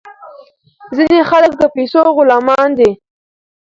ځینې خلک د پیسو غلامان دي.